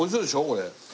これ。